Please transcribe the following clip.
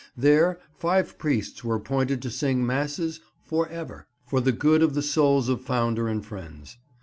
There five priests were appointed to sing masses "for ever," for the good of the souls of founder and friends.